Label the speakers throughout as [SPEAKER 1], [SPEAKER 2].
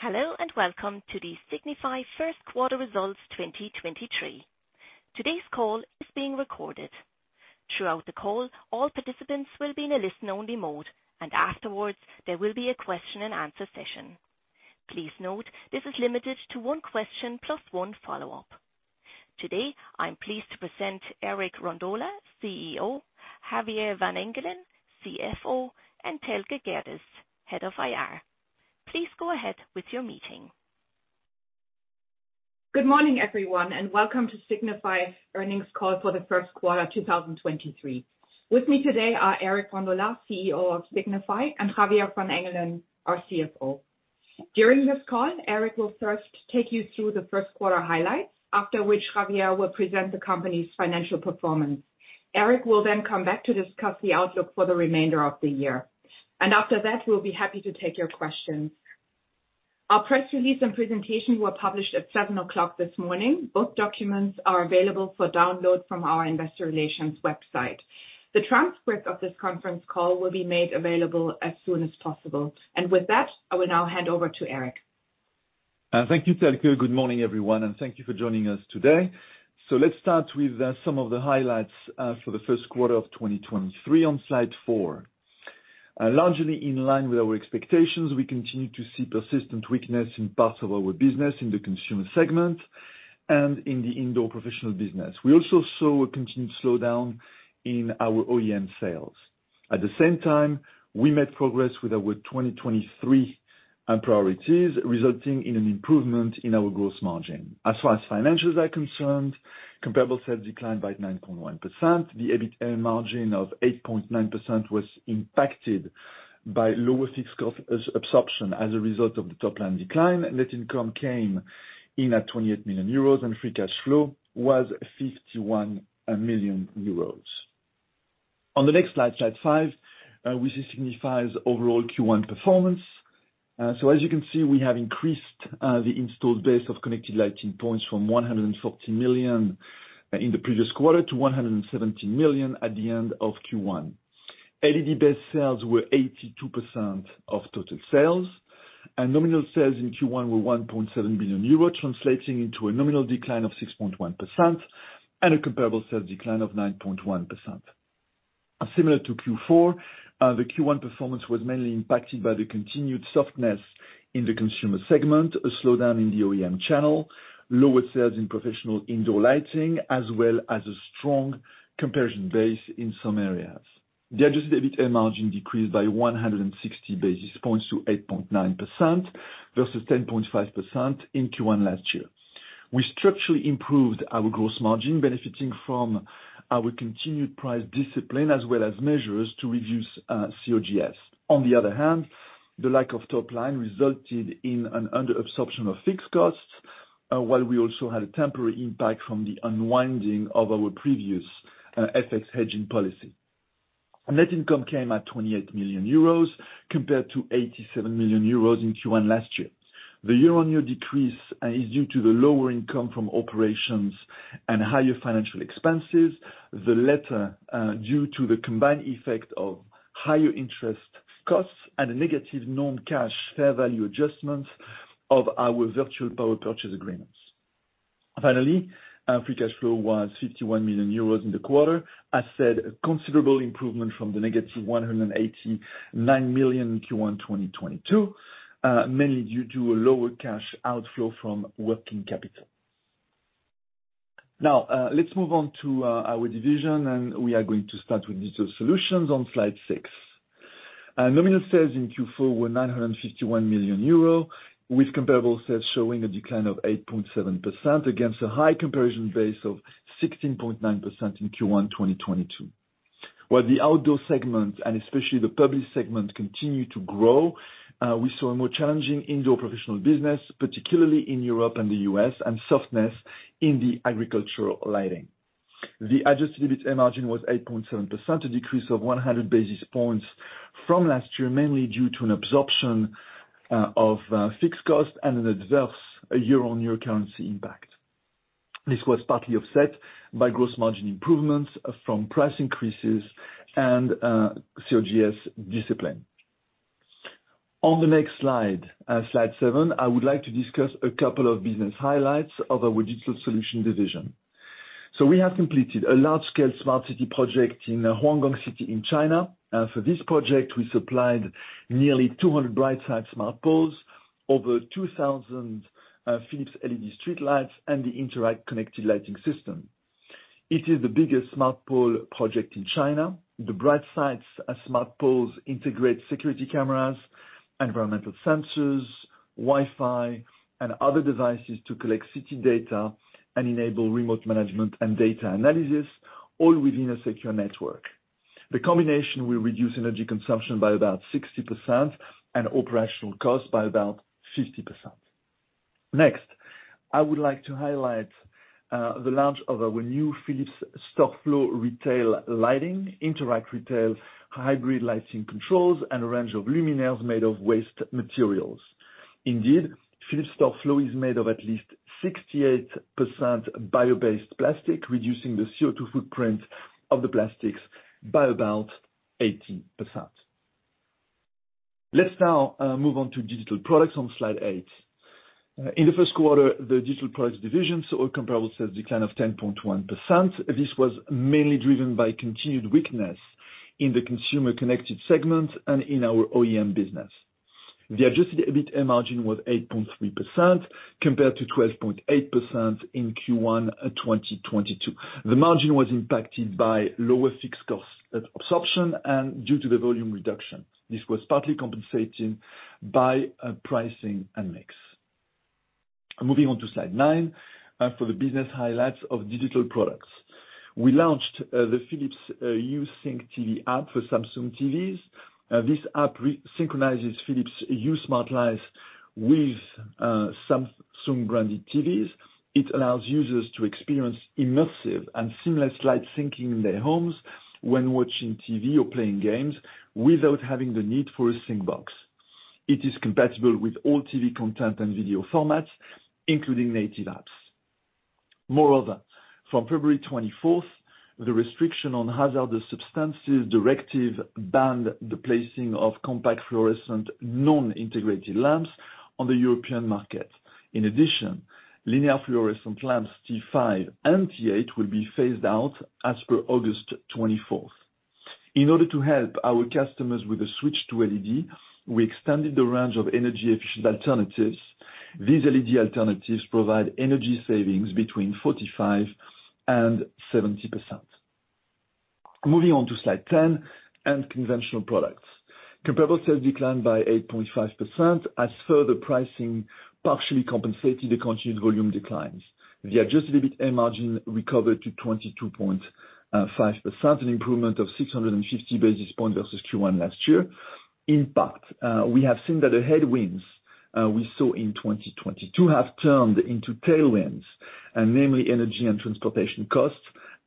[SPEAKER 1] Hello, welcome to the Signify first quarter results 2023. Today's call is being recorded. Throughout the call, all participants will be in a listen-only mode, and afterwards, there will be a question and answer session. Please note this is limited to one question plus one follow-up. Today, I'm pleased to present Eric Rondolat, CEO, Javier van Engelen, CFO, and Thelke Gerdes, Head of IR. Please go ahead with your meeting.
[SPEAKER 2] Good morning, everyone, and welcome to Signify's earnings call for the first quarter, 2023. With me today are Eric Rondolat, CEO of Signify, and Javier van Engelen, our CFO. During this call, Eric will first take you through the first quarter highlights, after which Javier will present the company's financial performance. Eric will then come back to discuss the outlook for the remainder of the year, after that, we'll be happy to take your questions. Our press release and presentation were published at 7:00 A.M. this morning. Both documents are available for download from our investor relations website. The transcript of this conference call will be made available as soon as possible. With that, I will now hand over to Eric.
[SPEAKER 3] Thank you, Thelke. Good morning, everyone, and thank you for joining us today. Let's start with some of the highlights for the first quarter of 2023 on Slide 4. Largely in line with our expectations, we continue to see persistent weakness in parts of our business in the consumer segment and in the indoor professional business. We also saw a continued slowdown in our OEM sales. At the same time, we made progress with our 2023 priorities, resulting in an improvement in our gross margin. As far as financials are concerned, comparable sales declined by 9.1%. The EBITDA margin of 8.9% was impacted by lower fixed cost as absorption as a result of the top line decline. Net income came in at 28 million euros, and free cash flow was 51 million euros. On the next Slide 5, we see Signify's overall Q1 performance. As you can see, we have increased the installed base of connected light points from 114 million in the previous quarter to 117 million at the end of Q1. LED-based sales were 82% of total sales, and nominal sales in Q1 were 1.7 billion euro, translating into a nominal decline of 6.1% and a comparable sales decline of 9.1%. Similar to Q4, the Q1 performance was mainly impacted by the continued softness in the consumer segment, a slowdown in the OEM channel, lower sales in professional indoor lighting, as well as a strong comparison base in some areas. The adjusted EBITDA margin decreased by 160 basis points to 8.9% versus 10.5% in Q1 last year. We structurally improved our gross margin, benefiting from our continued price discipline as well as measures to reduce COGS. The lack of top line resulted in an under absorption of fixed costs, while we also had a temporary impact from the unwinding of our previous FX hedging policy. Net income came at 28 million euros compared to 87 million euros in Q1 last year. The year-on-year decrease is due to the lower income from operations and higher financial expenses. The latter, due to the combined effect of higher interest costs and a negative non-cash fair value adjustments of our virtual power purchase agreements. Free cash flow was 51 million euros in the quarter. As said, a considerable improvement from the -189 million in Q1 2022, mainly due to a lower cash outflow from working capital. Let's move on to our division, and we are going to start with Digital Solutions on Slide 6. Nominal sales in Q4 were 951 million euro, with comparable sales showing a decline of 8.7% against a high comparison base of 16.9% in Q1 2022. The outdoor segment, and especially the public segment, continue to grow, we saw a more challenging indoor professional business, particularly in Europe and the U.S., and softness in the agricultural lighting. The adjusted EBITDA margin was 8.7%, a decrease of 100 basis points from last year, mainly due to an absorption of fixed cost and an adverse year-over-year currency impact. This was partly offset by gross margin improvements from price increases and COGS discipline. On the next Slide 7, I would like to discuss a couple of business highlights of our Digital Solutions division. We have completed a large-scale smart city project in Huanggang City in China. For this project, we supplied nearly 200 BrightSites smart poles, over 2,000 Philips LED streetlights, and the Interact connected lighting system. It is the biggest smart pole project in China. The BrightSites, as smart poles, integrate security cameras, environmental sensors, Wi-Fi, and other devices to collect city data and enable remote management and data analysis, all within a secure network. The combination will reduce energy consumption by about 60% and operational costs by about 50%. Next, I would like to highlight the launch of our new Philips StoreFlow retail lighting, Interact Retail hybrid lighting controls, and a range of luminaires made of waste materials. Indeed, Philips StoreFlow is made of at least 68% bio-based plastic, reducing the CO2 footprint of the plastics by about 80%. Let's now move on to Digital Products on Slide 8. In the first quarter, the Digital Products division saw a comparable sales decline of 10.1%. This was mainly driven by continued weakness in the consumer connected segment and in our OEM business. The adjusted EBITDA margin was 8.3% compared to 12.8% in Q1 2022. The margin was impacted by lower fixed costs at absorption and due to the volume reduction. This was partly compensated by pricing and mix. Moving on to Slide 9 for the business highlights of Digital Products. We launched the Philips Hue Sync TV app for Samsung TVs. This app synchronizes Philips Hue smart lights with Samsung branded TVs. It allows users to experience immersive and seamless light syncing in their homes when watching TV or playing games without having the need for a sync box. It is compatible with all TV content and video formats, including native apps. From February 24th, the Restriction of Hazardous Substances Directive banned the placing of compact fluorescent non-integrated lamps on the European market. Linear fluorescent lamps T5 and T8 will be phased out as per August 24th. In order to help our customers with the switch to LED, we extended the range of energy-efficient alternatives. These LED alternatives provide energy savings between 45% and 70%. Moving on to Slide 10 and Conventional Products. Comparable sales declined by 8.5% as further pricing partially compensated the continued volume declines. The adjusted EBITDA margin recovered to 22.5%, an improvement of 650 basis points versus Q1 last year. In part, we have seen that the headwinds we saw in 2022 have turned into tailwinds, and namely, energy and transportation costs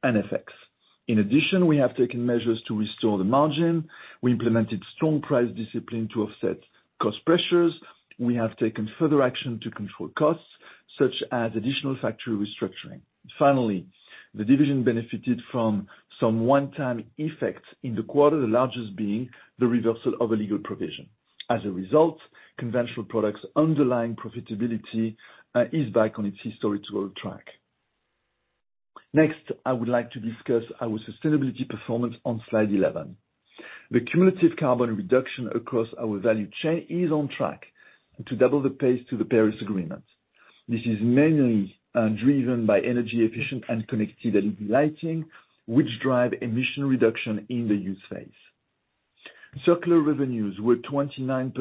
[SPEAKER 3] and effects. We have taken measures to restore the margin. We implemented strong price discipline to offset cost pressures. We have taken further action to control costs, such as additional factory restructuring. Finally, the division benefited from some one-time effects in the quarter, the largest being the reversal of a legal provision. As a result, Conventional Products' underlying profitability is back on its historical track. Next, I would like to discuss our sustainability performance on Slide 11. The cumulative carbon reduction across our value chain is on track to double the pace to the Paris Agreement. This is mainly driven by energy efficient and connected lighting, which drive emission reduction in the use phase. Circular revenues were 29%,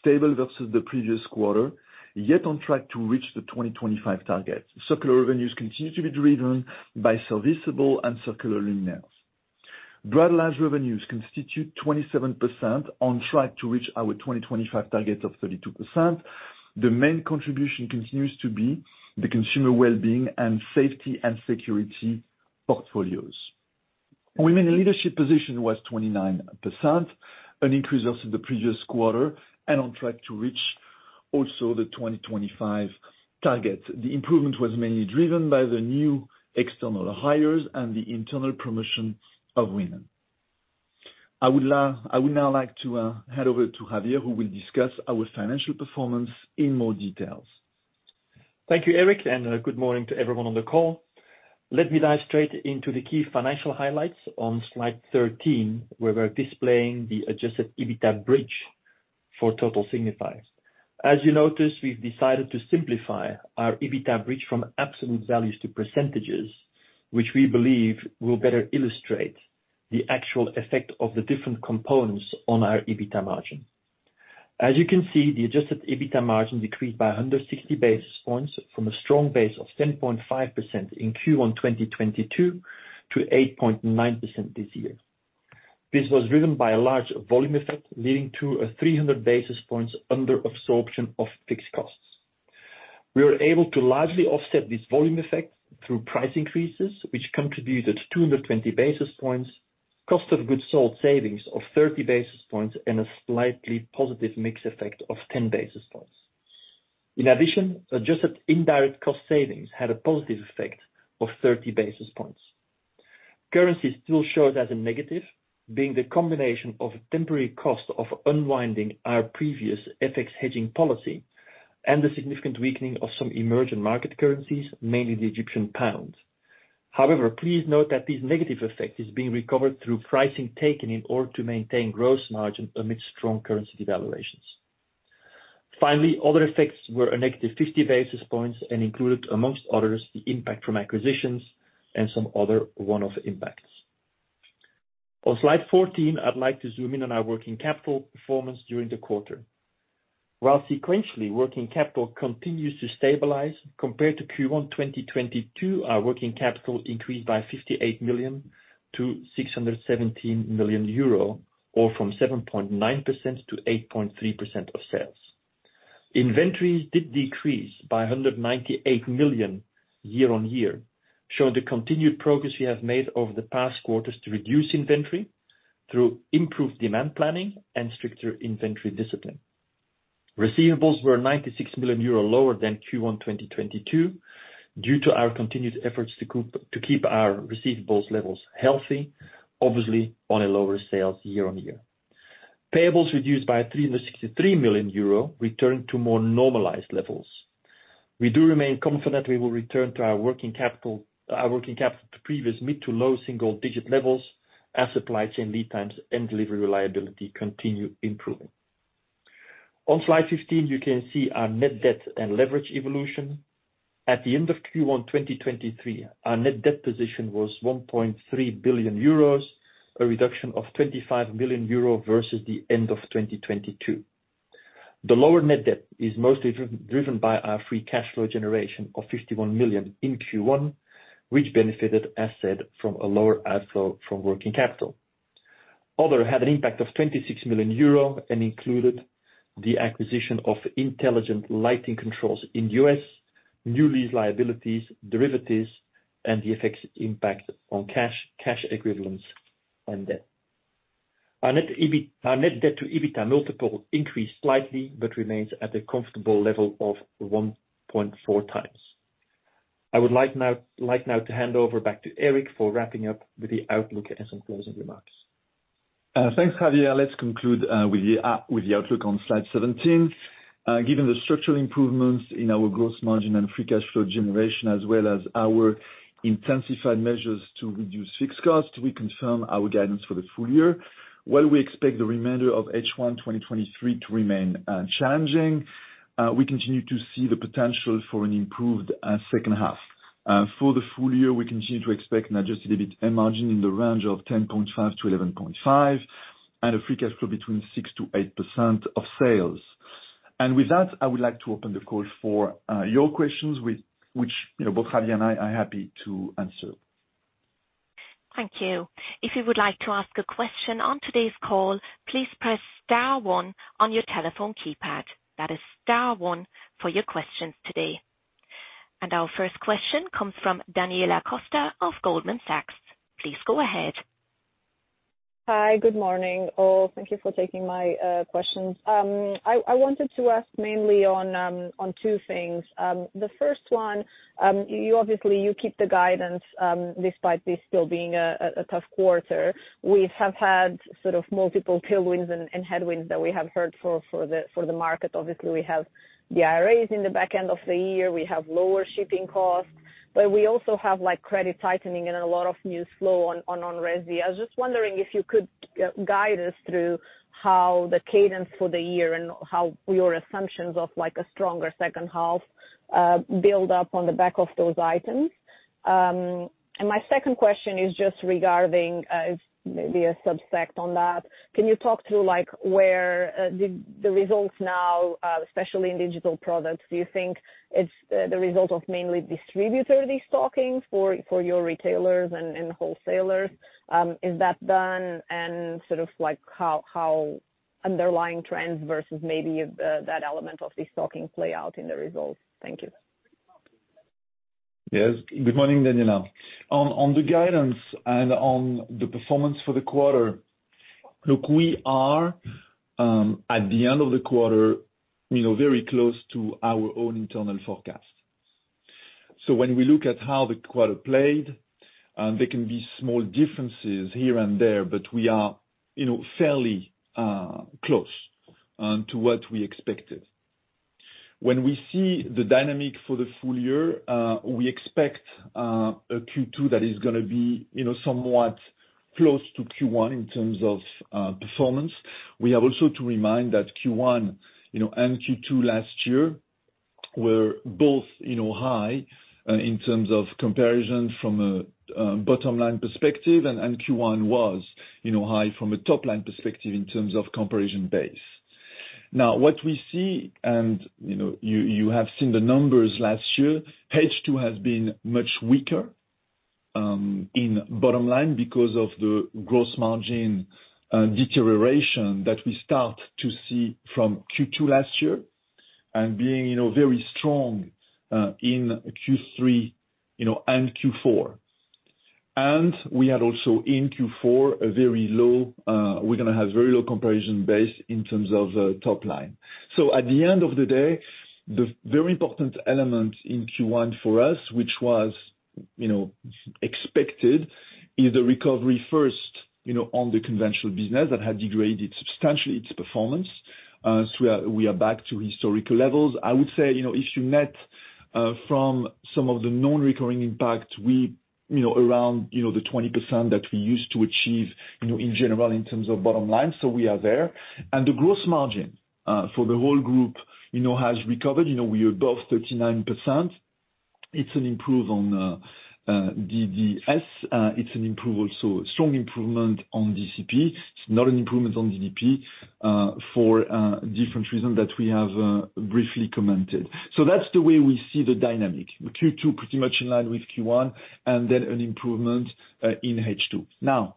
[SPEAKER 3] stable versus the previous quarter, yet on track to reach the 2025 target. Circular revenues continue to be driven by serviceable and circular luminaires. Broadline revenues constitute 27% on track to reach our 2025 target of 32%. The main contribution continues to be the consumer wellbeing and safety and security portfolios. Women in leadership position was 29%, an increase versus the previous quarter and on track to reach also the 2025 target. The improvement was mainly driven by the new external hires and the internal promotion of women. I would now like to hand over to Javier, who will discuss our financial performance in more details.
[SPEAKER 4] Thank you, Eric. Good morning to everyone on the call. Let me dive straight into the key financial highlights on Slide 13, where we're displaying the adjusted EBITDA bridge for total Signify. As you notice, we've decided to simplify our EBITDA bridge from absolute values to percentages, which we believe will better illustrate the actual effect of the different components on our EBITDA margin. As you can see, the adjusted EBITDA margin decreased by 160 basis points from a strong base of 10.5% in Q1 2022 to 8.9% this year. This was driven by a large volume effect, leading to a 300 basis points under absorption of fixed costs. We were able to largely offset this volume effect through price increases, which contributed to 220 basis points, cost of goods sold savings of 30 basis points, and a slightly positive mix effect of 10 basis points. In addition, adjusted indirect cost savings had a positive effect of 30 basis points. Currency still showed as a negative, being the combination of temporary cost of unwinding our previous FX hedging policy and the significant weakening of some emerging market currencies, mainly the Egyptian pound. Please note that this negative effect is being recovered through pricing taken in order to maintain gross margin amid strong currency devaluations. Other effects were a negative 50 basis points and included, amongst others, the impact from acquisitions and some other one-off impacts. On Slide 14, I'd like to zoom in on our working capital performance during the quarter. While sequentially, working capital continues to stabilize. Compared to Q1 2022, our working capital increased by 58 million to 617 million euro, or from 7.9%-8.3% of sales. Inventories did decrease by 198 million year-on-year, showing the continued progress we have made over the past quarters to reduce inventory. Through improved demand planning and stricter inventory discipline. Receivables were 96 million euro lower than Q1 2022 due to our continued efforts to keep our receivables levels healthy, obviously on a lower sales year-on-year. Payables reduced by 363 million euro, returned to more normalized levels. We do remain confident we will return our working capital to previous mid to low single-digit levels as supply chain lead times and delivery reliability continue improving. On Slide 15, you can see our net debt and leverage evolution. At the end of Q1 2023, our net debt position was 1.3 billion euros, a reduction of 25 million euro versus the end of 2022. The lower net debt is mostly driven by our free cash flow generation of 51 million in Q1, which benefited, as said, from a lower outflow from working capital. Other had an impact of 26 million euro and included the acquisition of Intelligent Lighting Controls in U.S., new lease liabilities, derivatives, and the effects impact on cash equivalents, and debt. Our net debt to EBITDA multiple increased slightly but remains at a comfortable level of 1.4x. I would like now to hand over back to Eric for wrapping up with the outlook and some closing remarks.
[SPEAKER 3] Thanks, Javier. Let's conclude with the outlook on slide 17. Given the structural improvements in our gross margin and free cash flow generation as well as our intensified measures to reduce fixed costs, we confirm our guidance for the full year. While we expect the remainder of H1 2023 to remain challenging, we continue to see the potential for an improved second half. For the full year, we continue to expect an adjusted EBITDA margin in the range of 10.5%-11.5% and a free cash flow between 6%-8% of sales. With that, I would like to open the call for your questions which, you know, both Javier and I are happy to answer.
[SPEAKER 1] Thank you. If you would like to ask a question on today's call, please press star one on your telephone keypad. That is star one for your questions today. Our first question comes from Daniela Costa of Goldman Sachs. Please go ahead.
[SPEAKER 5] Hi. Good morning, all. Thank you for taking my questions. I wanted to ask mainly on two things. The first one, you obviously keep the guidance, despite this still being a tough quarter. We have had sort of multiple tailwinds and headwinds that we have heard for the market. Obviously, we have the IRAs in the back end of the year. We have lower shipping costs, but we also have, like, credit tightening and a lot of new flow on Resi. I was just wondering if you could guide us through how the cadence for the year and how your assumptions of like a stronger second half build up on the back of those items. My second question is just regarding maybe a subsect on that. Can you talk through, like, where the results now, especially in Digital Products, do you think it's the result of mainly distributor destocking for your retailers and wholesalers? Is that done? Sort of like how underlying trends versus maybe that element of destocking play out in the results? Thank you.
[SPEAKER 3] Yes. Good morning, Daniela. On the guidance and on the performance for the quarter. We are at the end of the quarter, you know, very close to our own internal forecast. When we look at how the quarter played, there can be small differences here and there, but we are, you know, fairly close to what we expected. When we see the dynamic for the full year, we expect a Q2 that is gonna be, you know, somewhat close to Q1 in terms of performance. We have also to remind that Q1, you know, and Q2 last year were both, you know, high in terms of comparison from a bottom-line perspective and Q1 was, you know, high from a top-line perspective in terms of comparison base. What we see and, you know, you have seen the numbers last year, H2 has been much weaker in bottom line because of the gross margin deterioration that we start to see from Q2 last year and being very strong in Q3 and Q4. We had also in Q4 a very low, we're gonna have very low comparison base in terms of the top line. At the end of the day, the very important element in Q1 for us, which was, you know, expected, is the recovery first on the conventional business that had degraded substantially its performance. We are back to historical levels. I would say, you know, if you net, from some of the non-recurring impacts, we, you know, around, you know, the 20% that we used to achieve, you know, in general in terms of bottom line, we are there. The gross margin, for the whole group, you know, has recovered. You know, we are above 39%. It's an improvement on DDS. It's an improvement so strong improvement on DCP. It's not an improvement on DDP, for different reasons that we have briefly commented. That's the way we see the dynamic. Q2 pretty much in line with Q1 and then an improvement in H2.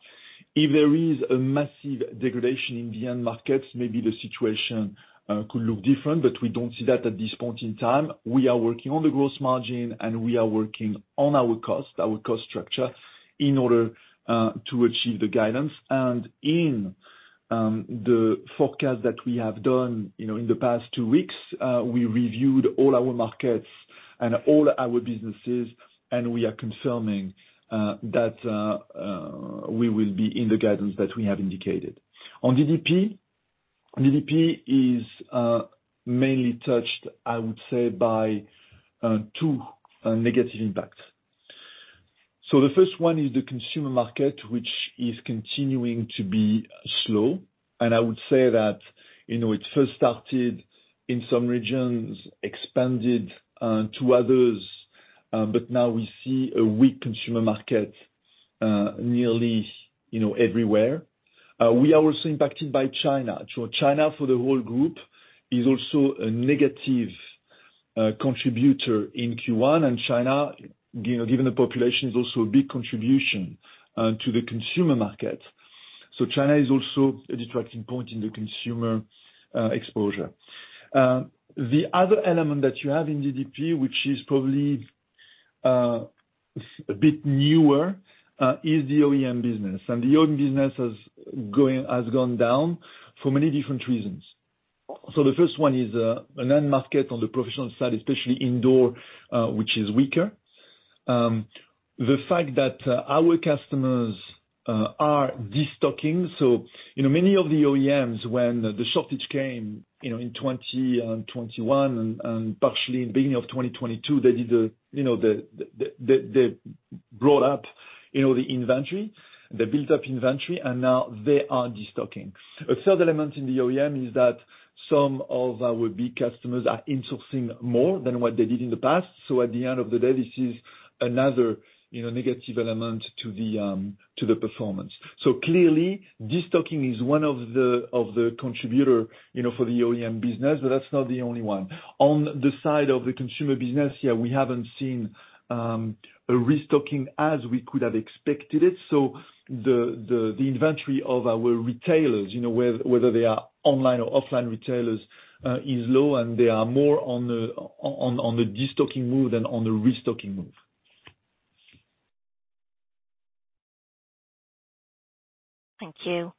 [SPEAKER 3] If there is a massive degradation in the end markets, maybe the situation could look different, but we don't see that at this point in time. We are working on the gross margin, and we are working on our cost, our cost structure. In order to achieve the guidance and in the forecast that we have done, you know, in the past two weeks, we reviewed all our markets and all our businesses, and we are confirming that we will be in the guidance that we have indicated. On DDP is mainly touched, I would say, by two negative impacts. The first one is the consumer market, which is continuing to be slow. I would say that, you know, it first started in some regions, expanded to others, but now we see a weak consumer market, nearly, you know, everywhere. We are also impacted by China. China for the whole group is also a negative contributor in Q1 and China, you know, given the population, is also a big contribution to the consumer market. China is also a detracting point in the consumer exposure. The other element that you have in DDP, which is probably a bit newer, is the OEM business. The OEM business has gone down for many different reasons. The first one is an end market on the professional side, especially indoor, which is weaker. The fact that our customers are destocking, so, you know, many of the OEMs when the shortage came, you know, in 2020 and 2021 and partially in the beginning of 2022, they did a, you know, they brought up, you know, the inventory. They built up inventory and now they are destocking. A third element in the OEM is that some of our big customers are insourcing more than what they did in the past. At the end of the day, this is another, you know, negative element to the performance. Clearly, destocking is one of the contributor, you know, for the OEM business, but that's not the only one. On the side of the consumer business, yeah, we haven't seen a restocking as we could have expected it. The inventory of our retailers, you know, whether they are online or offline retailers, is low and they are more on the destocking move than on the restocking move.
[SPEAKER 1] Thank you.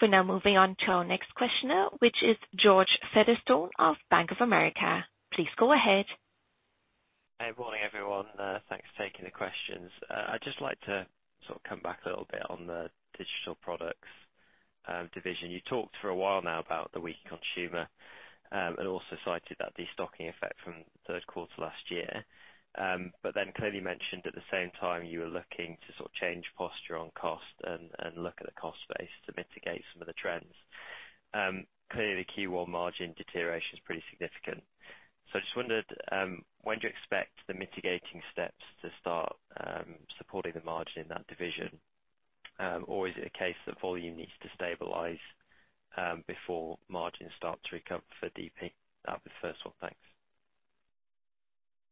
[SPEAKER 1] We're now moving on to our next questioner, which is George Featherstone of Bank of America. Please go ahead.
[SPEAKER 6] Hey. Morning, everyone. Thanks for taking the questions. I'd just like to sort of come back a little bit on the Digital Products division. You talked for a while now about the weak consumer, and also cited that destocking effect from third quarter last year. Clearly mentioned at the same time you were looking to sort of change posture on cost and look at the cost base to mitigate some of the trends. Clearly, the Q1 margin deterioration is pretty significant. I just wondered, when do you expect the mitigating steps to start supporting the margin in that division? Or is it a case that volume needs to stabilize before margins start to recover for DP? That was the first one. Thanks.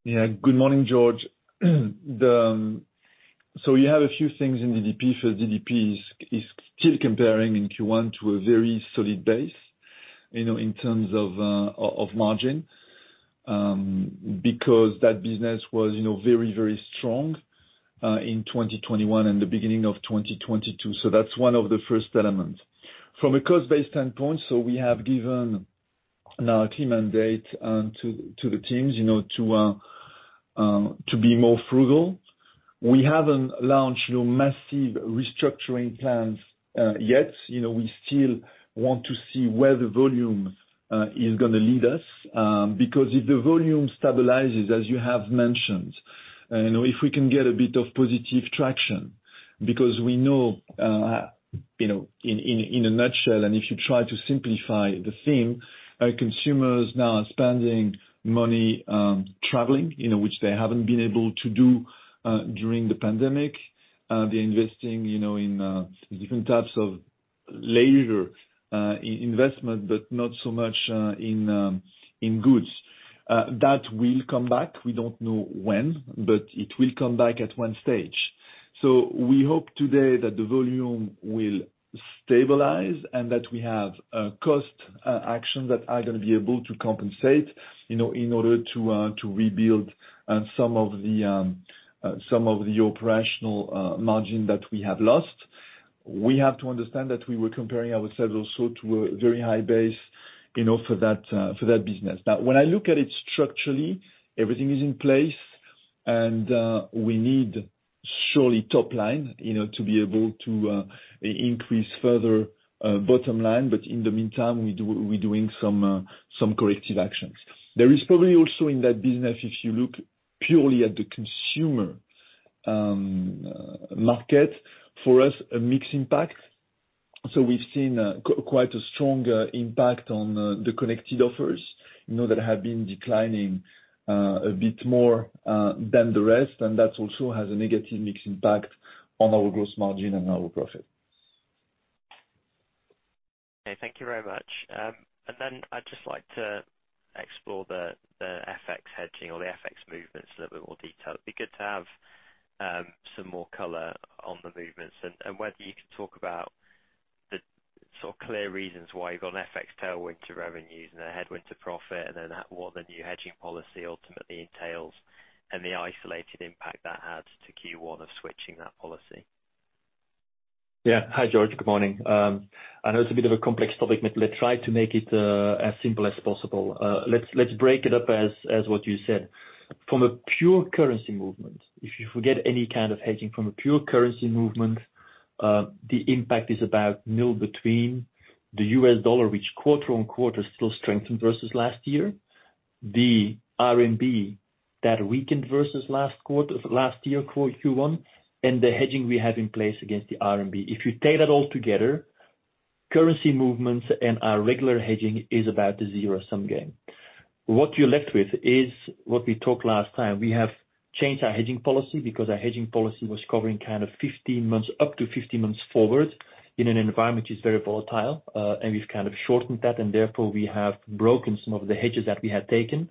[SPEAKER 3] Yeah. Good morning, George. You have a few things in the DP. The DP is still comparing in Q1 to a very solid base, you know, in terms of margin, because that business was, you know, very strong in 2021 and the beginning of 2022. That's one of the first elements. From a cost base standpoint, we have given now a team mandate to the teams, you know, to be more frugal. We haven't launched no massive restructuring plans yet. You know, we still want to see where the volume is gonna lead us, because if the volume stabilizes, as you have mentioned, and if we can get a bit of positive traction, because we know, you know, in a nutshell, and if you try to simplify the theme, our consumers now are spending money, traveling, you know, which they haven't been able to do during the pandemic. They're investing, you know, in different types of leisure investment, but not so much in goods. That will come back. We don't know when, but it will come back at one stage. We hope today that the volume will stabilize and that we have cost actions that are gonna be able to compensate, you know, in order to rebuild some of the operational margin that we have lost. We have to understand that we were comparing ourselves also to a very high base, you know, for that for that business. When I look at it structurally, everything is in place and we need surely top line, you know, to be able to increase further bottom line. In the meantime, we're doing some corrective actions. There is probably also in that business, if you look purely at the consumer market, for us, a mixed impact. We've seen quite a strong impact on the connected offers, you know, that have been declining a bit more than the rest, and that also has a negative mixed impact on our gross margin and our profit.
[SPEAKER 6] Okay. Thank you very much. I'd just like to explore the FX hedging or the FX movements in a little bit more detail. It'd be good to have some more color on the movements and whether you can talk about So clear reasons why you've got an FX tailwind to revenues and a headwind to profit, and then what the new hedging policy ultimately entails and the isolated impact that had to Q1 of switching that policy.
[SPEAKER 4] Hi, George. Good morning. I know it's a bit of a complex topic, let's try to make it as simple as possible. Let's break it up as what you said. From a pure currency movement, if you forget any kind of hedging from a pure currency movement, the impact is about nil between the US dollar, which quarter-on-quarter still strengthened versus last year, the CNY that weakened versus last year Q1, and the hedging we have in place against the CNY. If you take that all together, currency movements and our regular hedging is about a zero-sum game. What you're left with is what we talked last time. We have changed our hedging policy because our hedging policy was covering kind of 15-months, up to 15-months forward in an environment which is very volatile, and we've kind of shortened that, and therefore we have broken some of the hedges that we had taken.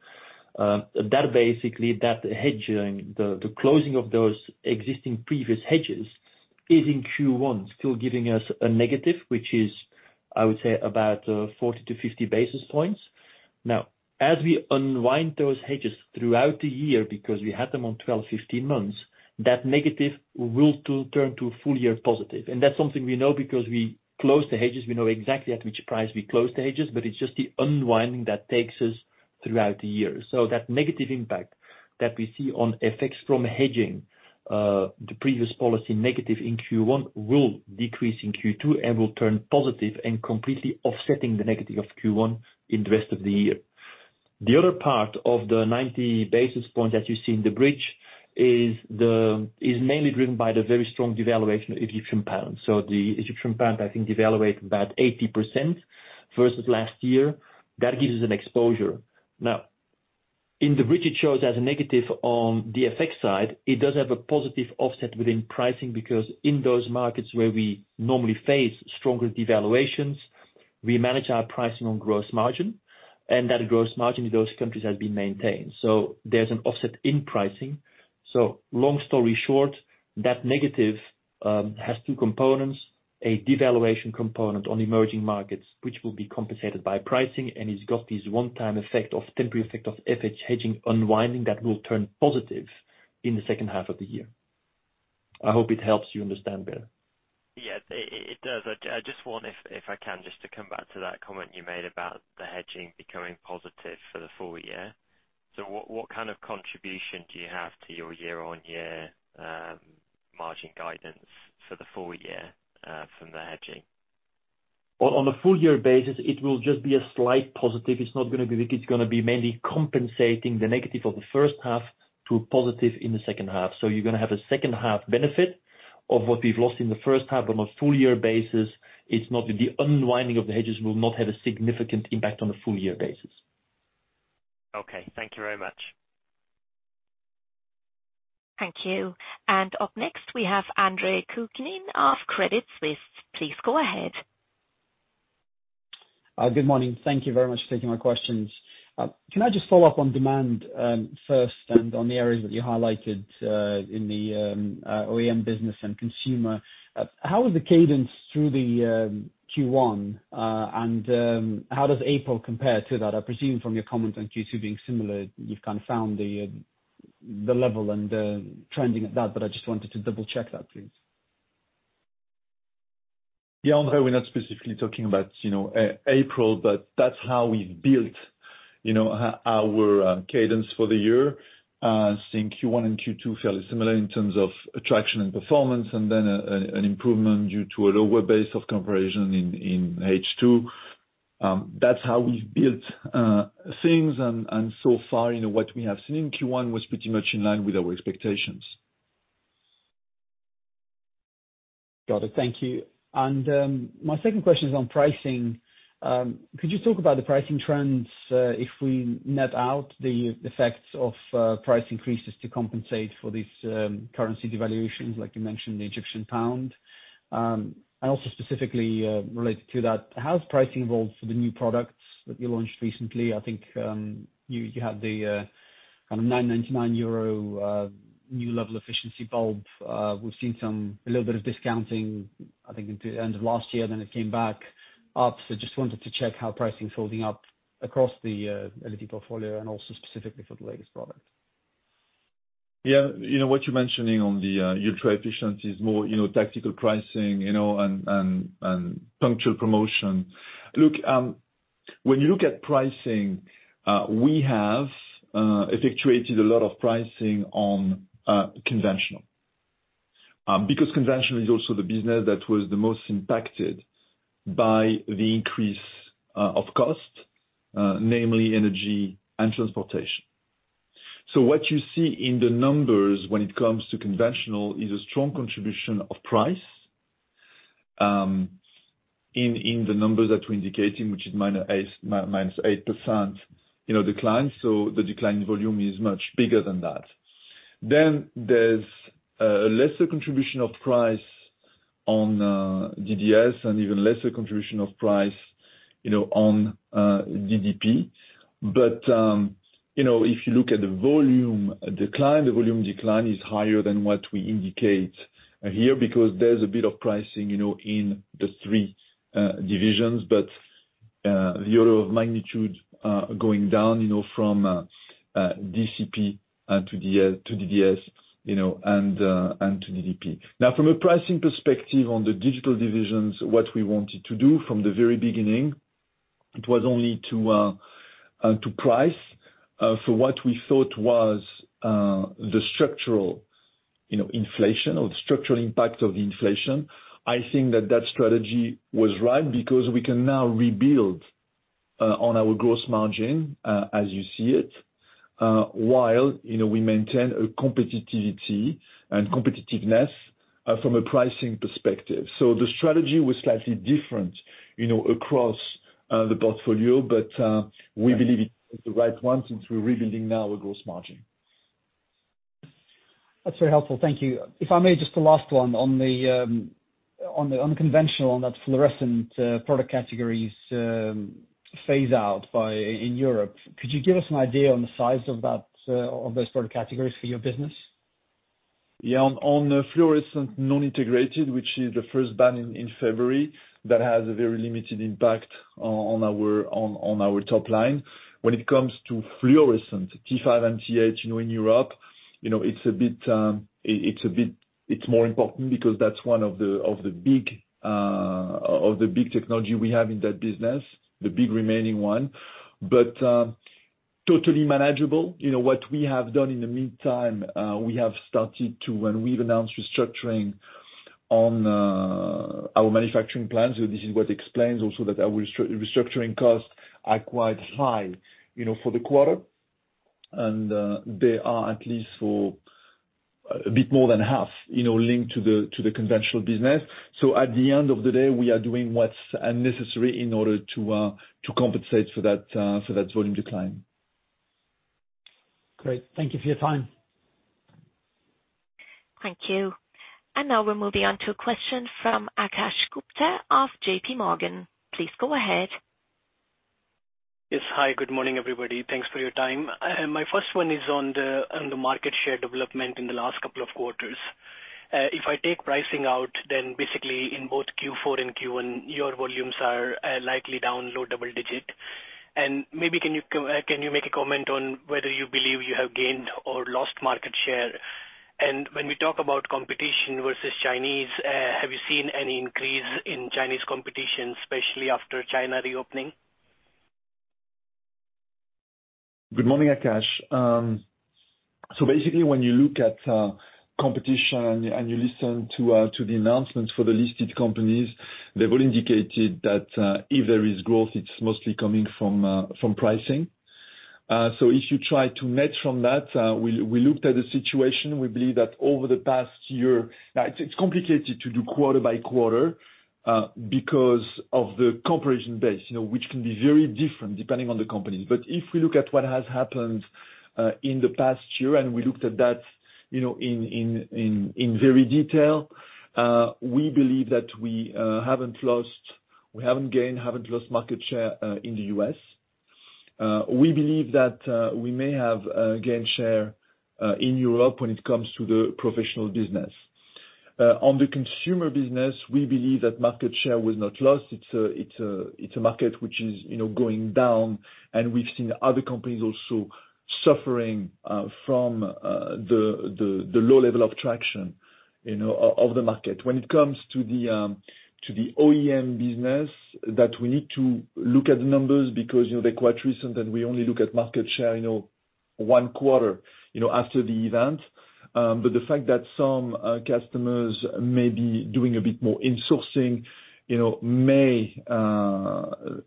[SPEAKER 4] That basically, that hedging, the closing of those existing previous hedges is in Q1, still giving us a negative, which is, I would say about 40-50 basis points. Now, as we unwind those hedges throughout the year because we had them on 12, 15-months, that negative will turn to full year positive. That's something we know because we closed the hedges. We know exactly at which price we closed the hedges, but it's just the unwinding that takes us throughout the year. That negative impact that we see on FX from hedging, the previous policy negative in Q1 will decrease in Q2, and will turn positive and completely offsetting the negative of Q1 in the rest of the year. The other part of the 90 basis points that you see in the bridge is mainly driven by the very strong devaluation of Egyptian pound. The Egyptian pound I think devaluated about 80% versus last year. That gives us an exposure. Now, in the bridge, it shows as a negative on the FX side, it does have a positive offset within pricing because in those markets where we normally face stronger devaluations, we manage our pricing on gross margin, and that gross margin in those countries has been maintained. There's an offset in pricing. Long story short, that negative has two components, a devaluation component on emerging markets, which will be compensated by pricing. It's got this one-time temporary effect of FH hedging unwinding that will turn positive in the second half of the year. I hope it helps you understand better.
[SPEAKER 6] Yeah, it does. I just want, if I can, just to come back to that comment you made about the hedging becoming positive for the full year. What kind of contribution do you have to your year-on-year margin guidance for the full year from the hedging?
[SPEAKER 4] On a full year basis, it will just be a slight positive. It's not gonna be big, it's gonna be mainly compensating the negative of the first half to a positive in the second half. You're gonna have a second half benefit of what we've lost in the first half. On a full year basis, it's not unwinding of the hedges will not have a significant impact on a full year basis.
[SPEAKER 6] Okay. Thank you very much.
[SPEAKER 1] Thank you. Up next we have Andre Kukhnin of Credit Suisse. Please go ahead.
[SPEAKER 7] Good morning. Thank you very much for taking my questions. Can I just follow up on demand, first and on the areas that you highlighted, in the OEM business and consumer. How is the cadence through the Q1, and how does April compare to that? I presume from your comments on Q2 being similar, you've kind of found the level and the trending at that, but I just wanted to double check that, please.
[SPEAKER 3] Yeah, Andre, we're not specifically talking about, you know, April, but that's how we've built, you know, our cadence for the year. Seeing Q1 and Q2 fairly similar in terms of traction and performance, and then, an improvement due to a lower base of comparison in H2. That's how we've built things and so far, you know, what we have seen in Q1 was pretty much in line with our expectations.
[SPEAKER 7] Got it. Thank you. My second question is on pricing. Could you talk about the pricing trends if we net out the effects of price increases to compensate for these currency devaluations, like you mentioned, the Egyptian pound. Also specifically related to that, how's pricing evolved for the new products that you launched recently? I think you had the kind of 9.99 euro new level efficiency bulb. We've seen some, a little bit of discounting, I think into end of last year then it came back up. Just wanted to check how pricing's holding up across the LED portfolio and also specifically for the latest product.
[SPEAKER 3] You know what you're mentioning on the ultra efficiency is more, you know, tactical pricing, you know, and punctual promotion. Look, when you look at pricing, we have effectuated a lot of pricing on conventional. Conventional is also the business that was the most impacted by the increase of cost, namely energy and transportation. What you see in the numbers when it comes to conventional is a strong contribution of price in the numbers that we're indicating, which is minus 8%, you know, decline. The decline in volume is much bigger than that. There's a lesser contribution of price on DDS and even lesser contribution of price. You know, on DDP, but, you know, if you look at the volume decline, the volume decline is higher than what we indicate here because there's a bit of pricing, you know, in the three divisions. The order of magnitude going down, you know, from DCP to DDS, you know, and to DDP. From a pricing perspective on the digital divisions, what we wanted to do from the very beginning, it was only to price for what we thought was the structural, you know, inflation or the structural impact of the inflation. I think that that strategy was right because we can now rebuild on our gross margin as you see it, while, you know, we maintain a competitivity and competitiveness from a pricing perspective. The strategy was slightly different, you know, across the portfolio. We believe it's the right one since we're rebuilding now a gross margin.
[SPEAKER 7] That's very helpful. Thank you. If I may, just a last one on the on the unconventional, on that fluorescent product categories, phase out by in Europe. Could you give us an idea on the size of that of those product categories for your business?
[SPEAKER 3] Yeah. On the fluorescent non-integrated, which is the first ban in February, that has a very limited impact on our top line. When it comes to fluorescent T5 and T8, you know, in Europe, you know, it's more important because that's one of the big technology we have in that business, the big remaining one. Totally manageable. You know, what we have done in the meantime, we have started to when we've announced restructuring on our manufacturing plans. This is what explains also that our restructuring costs are quite high, you know, for the quarter. And they are at least for a bit more than half, you know, linked to the conventional business. At the end of the day, we are doing what's necessary in order to to compensate for that for that volume decline.
[SPEAKER 7] Great. Thank you for your time.
[SPEAKER 1] Thank you. Now we're moving on to a question from Akash Gupta of J.P. Morgan. Please go ahead.
[SPEAKER 8] Yes. Hi. Good morning, everybody. Thanks for your time. My first one is on the market share development in the last couple of quarters. If I take pricing out, basically in both Q4 and Q1, your volumes are likely down low double digit. Maybe can you make a comment on whether you believe you have gained or lost market share? When we talk about competition versus Chinese, have you seen any increase in Chinese competition, especially after China reopening?
[SPEAKER 3] Good morning, Akash. Basically when you look at competition and you listen to the announcements for the listed companies, they've all indicated that if there is growth, it's mostly coming from pricing. If you try to match from that, we looked at the situation. We believe that over the past year... Now, it's complicated to do quarter by quarter, because of the comparison base, you know, which can be very different depending on the company. If we look at what has happened in the past year and we looked at that, you know, in, in very detail, we believe that we haven't lost... We haven't gained, haven't lost market share in the U.S. We believe that we may have gained share in Europe when it comes to the professional business. On the consumer business, we believe that market share was not lost. It's a market which is, you know, going down, and we've seen other companies also suffering from the low level of traction, you know, of the market. When it comes to the OEM business that we need to look at the numbers because, you know, they're quite recent and we only look at market share, you know, one quarter, you know, after the event. The fact that some customers may be doing a bit more insourcing, you know, may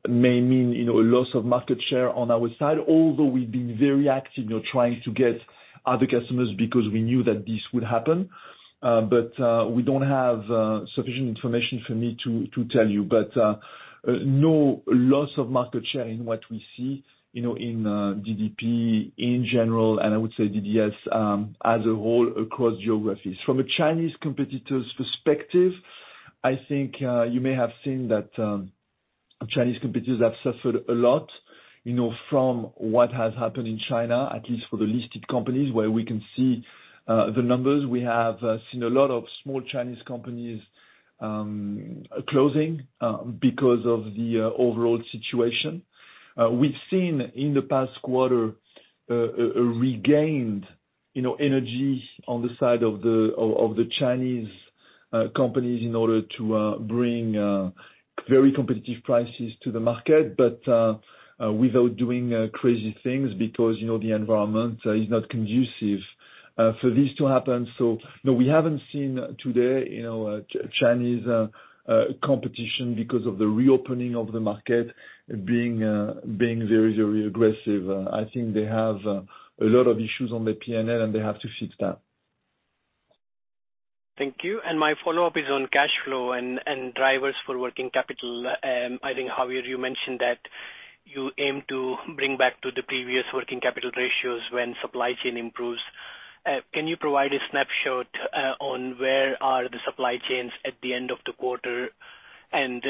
[SPEAKER 3] mean, you know, a loss of market share on our side, although we've been very active, you know, trying to get other customers because we knew that this would happen. We don't have sufficient information for me to tell you. No loss of market share in what we see, you know, in DDP in general, and I would say DDS as a whole across geographies. From a Chinese competitor's perspective, I think, you may have seen that Chinese competitors have suffered a lot, you know, from what has happened in China, at least for the listed companies where we can see the numbers. We have seen a lot of small Chinese companies closing because of the overall situation. We've seen in the past quarter a regained, you know, energy on the side of the Chinese companies in order to bring very competitive prices to the market. Without doing crazy things because, you know, the environment is not conducive for this to happen. No, we haven't seen today, you know, Chinese competition because of the reopening of the market being very, very aggressive. I think they have a lot of issues on their PNL, and they have to fix that.
[SPEAKER 8] Thank you. My follow-up is on cash flow and drivers for working capital. I think, Javier, you mentioned you aim to bring back to the previous working capital ratios when supply chain improves. Can you provide a snapshot on where are the supply chains at the end of the quarter and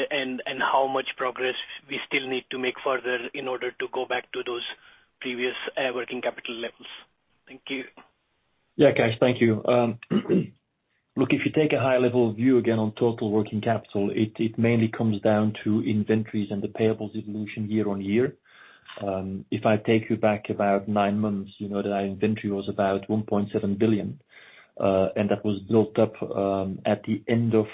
[SPEAKER 8] how much progress we still need to make further in order to go back to those previous working capital levels? Thank you.
[SPEAKER 4] Yeah, guys, thank you. Look, if you take a high level view again on total working capital, it mainly comes down to inventories and the payables evolution year-on-year. If I take you back about nine months, you know that our inventory was about 1.7 billion, and that was built up at the end of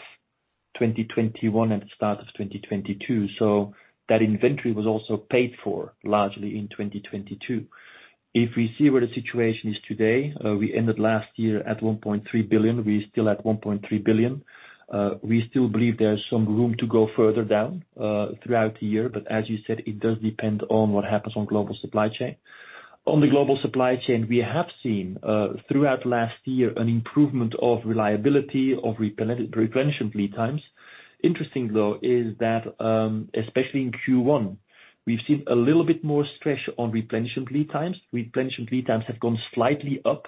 [SPEAKER 4] 2021 and the start of 2022. That inventory was also paid for largely in 2022. If we see where the situation is today, we ended last year at 1.3 billion. We're still at 1.3 billion. We still believe there's some room to go further down throughout the year. As you said, it does depend on what happens on global supply chain. On the global supply chain, we have seen throughout last year an improvement of reliability, of replenishment lead times. Interesting though is that, especially in Q1, we've seen a little bit more stretch on replenishment lead times. Replenishment lead times have gone slightly up.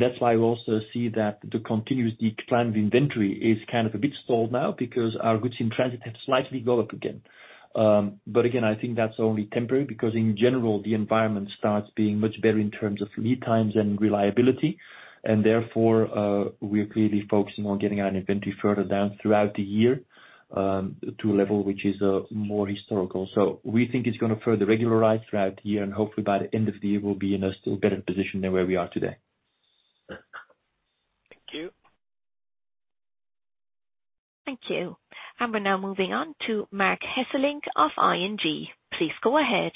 [SPEAKER 4] That's why we also see that the continuous decline of inventory is kind of a bit stalled now because our goods in transit have slightly go up again. Again, I think that's only temporary because in general, the environment starts being much better in terms of lead times and reliability. Therefore, we are clearly focusing on getting our inventory further down throughout the year to a level which is more historical. We think it's gonna further regularize throughout the year and hopefully by the end of the year we'll be in a still better position than where we are today.
[SPEAKER 8] Thank you.
[SPEAKER 1] Thank you. We're now moving on to Marc Hesselink of ING. Please go ahead.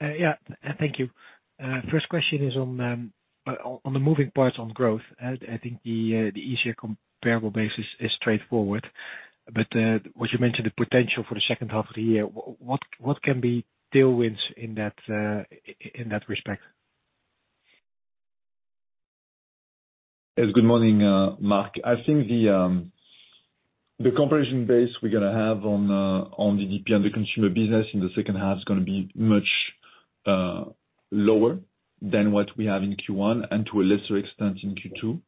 [SPEAKER 9] Yeah, thank you. First question is on the moving parts on growth. I think the easier comparable basis is straightforward, but what you mentioned the potential for the second half of the year, what can be tailwinds in that respect?
[SPEAKER 3] Yes. Good morning, Marc. I think the comparison base we're gonna have on the GP on the consumer business in the second half is gonna be much lower than what we have in Q1 and to a lesser extent in Q2.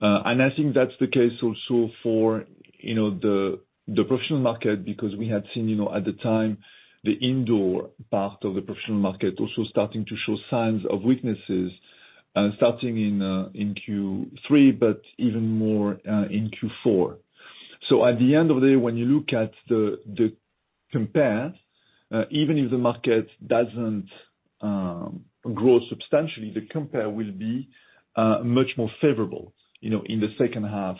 [SPEAKER 3] I think that's the case also for, you know, the professional market because we had seen, you know, at the time the indoor part of the professional market also starting to show signs of weaknesses, starting in Q3, but even more in Q4. At the end of the day, when you look at the compare, even if the market doesn't grow substantially, the compare will be much more favorable, you know, in the second half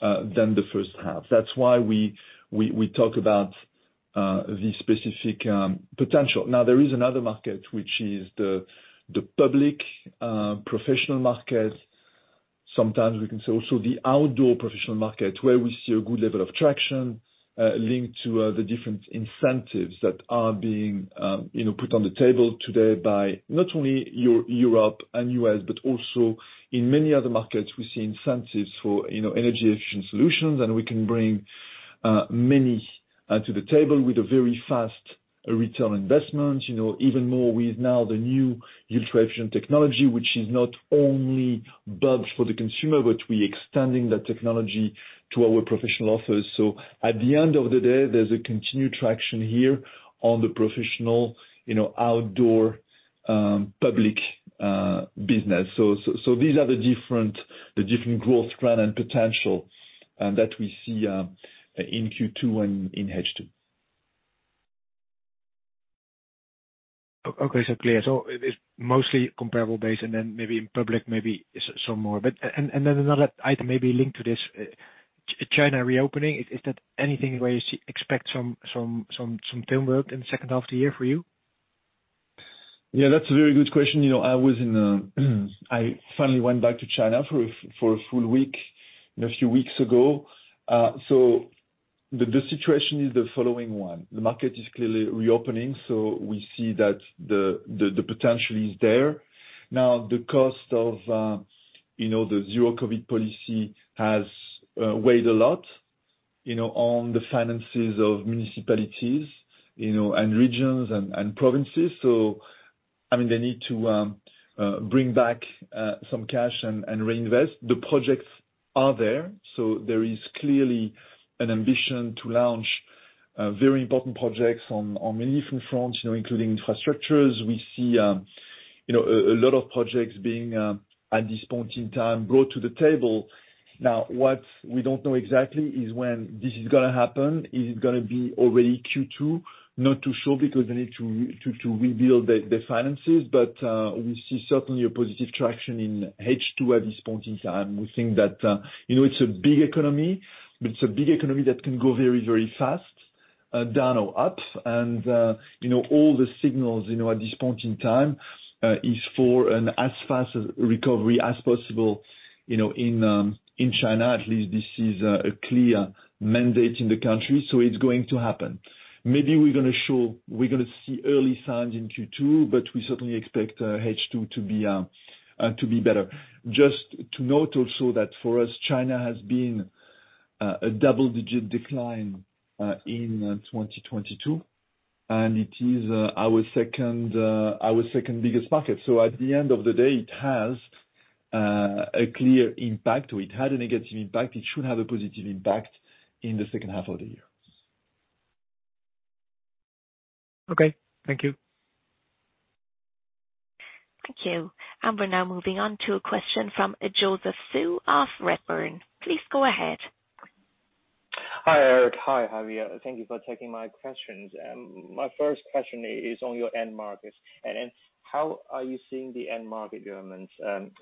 [SPEAKER 3] than the first half. That's why we talk about the specific potential. There is another market which is the public professional market. Sometimes we can say also the outdoor professional market, where we see a good level of traction linked to the different incentives that are being, you know, put on the table today by not only Europe and U.S., but also in many other markets we see incentives for, you know, energy efficient solutions. We can bring many to the table with a very fast retail investment, you know, even more with now the new ultra-efficient technology, which is not only built for the consumer, but we extending that technology to our professional offers. At the end of the day, there's a continued traction here on the professional, you know, outdoor public business. So these are the different growth trend and potential that we see in Q2 and in H2.
[SPEAKER 9] Okay, so clear. it's mostly comparable base and then maybe in public maybe some more. and then another item may be linked to this China reopening. Is that anything where you expect some teamwork in the second half of the year for you?
[SPEAKER 3] Yeah, that's a very good question. You know, I was in, I finally went back to China for a full week, you know, a few weeks ago. The situation is the following one. The market is clearly reopening, we see that the potential is there. Now, the cost of, you know, the zero COVID policy has weighed a lot, you know, on the finances of municipalities, you know, and regions and provinces. I mean, they need to bring back some cash and reinvest. The projects are there is clearly an ambition to launch very important projects on many different fronts, you know, including infrastructures. We see, you know, a lot of projects being at this point in time brought to the table. What we don't know exactly is when this is going to happen. Is it going to be already Q2? Not too sure because they need to rebuild the finances. We see certainly a positive traction in H2 at this point in time. We think that, you know, it's a big economy, but it's a big economy that can go very, very fast down or up. All the signals, you know, at this point in time is for an as fast a recovery as possible, you know, in China. At least this is a clear mandate in the country, it's going to happen. Maybe we're going to see early signs in Q2, we certainly expect H2 to be to be better. Just to note also that for us, China has been a double-digit decline in 2022. It is our second biggest market. At the end of the day, it has a clear impact. It had a negative impact. It should have a positive impact in the second half of the year.
[SPEAKER 9] Okay. Thank you.
[SPEAKER 1] Thank you. We're now moving on to a question from Joseph Zhou of Redburn. Please go ahead.
[SPEAKER 10] Hi, Eric. Hi, Javier. Thank you for taking my questions. My first question is on your end markets. It's how are you seeing the end market governments,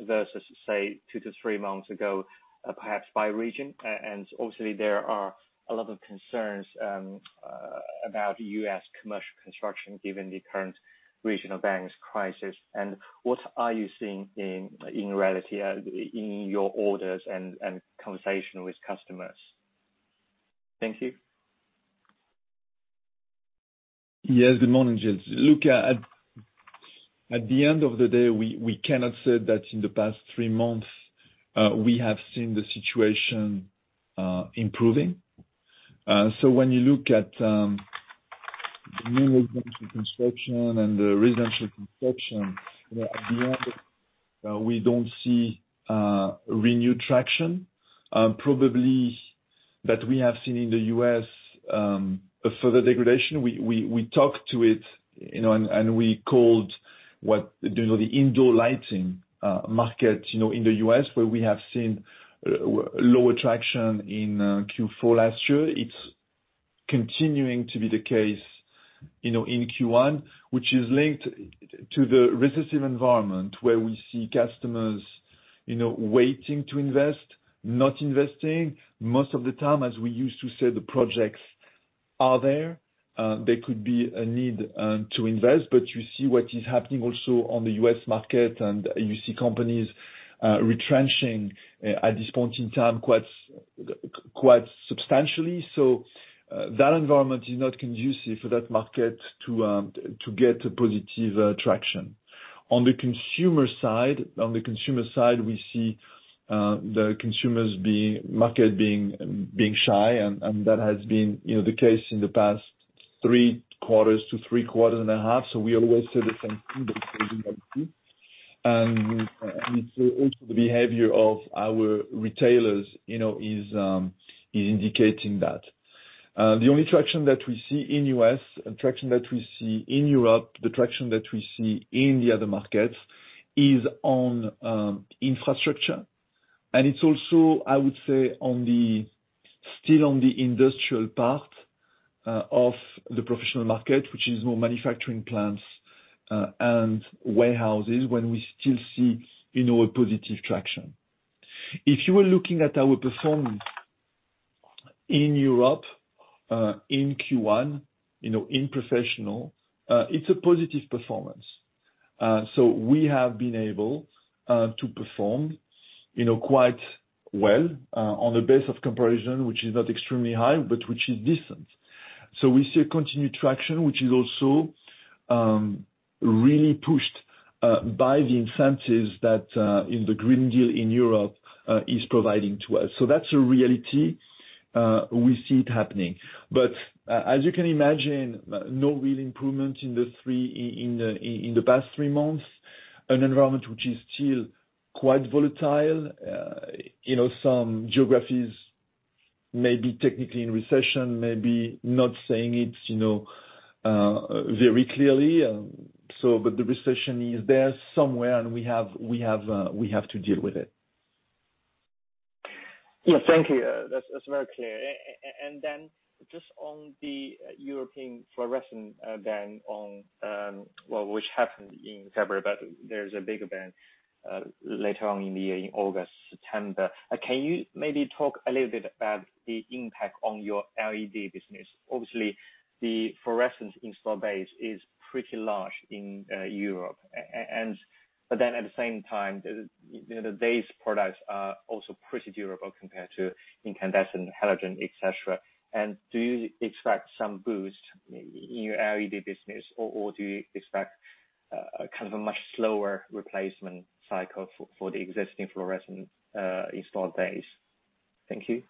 [SPEAKER 10] versus, say, two to three months ago, perhaps by region? Obviously there are a lot of concerns, about U.S. commercial construction given the current regional banks crisis. What are you seeing in reality in your orders and conversation with customers? Thank you.
[SPEAKER 3] Yes, good morning, Joseph. Look, at the end of the day, we cannot say that in the past three months, we have seen the situation improving. When you look at new residential construction and the residential construction, you know, at the end of it, we don't see renewed traction. Probably that we have seen in the U.S. a further degradation. We talked to it, you know, and we called what, you know, the indoor lighting market, you know, in the U.S. where we have seen low attraction in Q4 last year. It's continuing to be the case, you know, in Q1, which is linked to the resistive environment where we see customers, you know, waiting to invest, not investing. Most of the time, as we used to say, the projects are there. There could be a need to invest, but you see what is happening also on the U.S. market and you see companies retrenching at this point in time, quite substantially. That environment is not conducive for that market to get a positive traction. On the consumer side, we see the consumers market being shy, and that has been, you know, the case in the past three quarters and a half, we always say the same thing, but it's still the truth. Also the behavior of our retailers, you know, is indicating that. The only traction that we see in U.S., traction that we see in Europe, the traction that we see in the other markets is on infrastructure. It's also, I would say, on the, still on the industrial part of the professional market, which is more manufacturing plants, and warehouses when we still see, you know, a positive traction. If you were looking at our performance in Europe, in Q1, you know, in professional, it's a positive performance. We have been able to perform, you know, quite well on the base of comparison, which is not extremely high, but which is decent. We see a continued traction, which is also really pushed by the incentives that in the European Green Deal in Europe is providing to us. That's a reality. We see it happening. As you can imagine, no real improvement in the past three months, an environment which is still quite volatile. You know, some geographies may be technically in recession, maybe not saying it, you know, very clearly, but the recession is there somewhere and we have to deal with it.
[SPEAKER 10] Yeah. Thank you. That's very clear. Just on the European fluorescent ban on... well, which happened in February, but there's a bigger ban later on in the year in August, September. Can you maybe talk a little bit about the impact on your LED business? Obviously, the fluorescent install base is pretty large in Europe and but then at the same time, the, you know, today's products are also pretty durable compared to incandescent, halogen, et cetera. Do you expect some boost in your LED business or do you expect kind of a much slower replacement cycle for the existing fluorescent installed base? Thank you.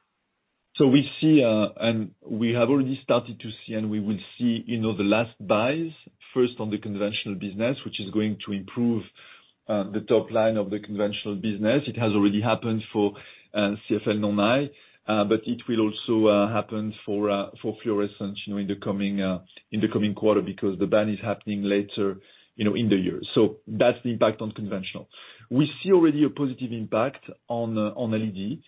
[SPEAKER 3] We see, and we have already started to see and we will see, you know, the last buys first on the conventional business, which is going to improve the top line of the conventional business. It has already happened for CFL-ni, but it will also happen for fluorescent, you know, in the coming quarter because the ban is happening later, you know, in the year. That's the impact on conventional. We see already a positive impact on LED.